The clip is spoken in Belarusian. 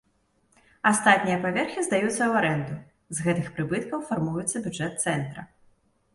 Астатнія паверхі здаюцца ў арэнду, з гэтых прыбыткаў фармуецца бюджэт цэнтра.